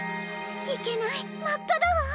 いけないまっかだわ！